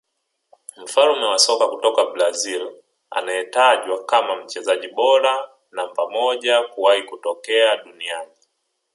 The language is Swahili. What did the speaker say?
Mfalme wa soka kutoka Brazil anayetajwa kama mchezaji bora namba moja kuwahi kutokea duniani